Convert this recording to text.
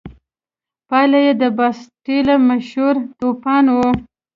پایله یې د باسټیل مشهور توپان و.